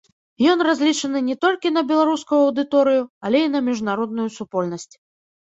Ён разлічаны не толькі на беларускую аўдыторыю, але і на міжнародную супольнасць.